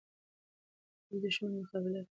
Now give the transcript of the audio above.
دوی د دښمن مقابله کوله.